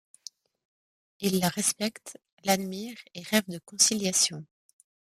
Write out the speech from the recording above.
Ils la respectent, l'admirent et rêvent de conciliation.